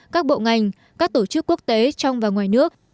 các bộ ngành các tổ chức quốc tế trong và ngoài nước